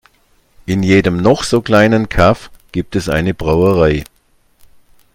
In jedem noch so kleinen Kaff gibt es eine Brauerei.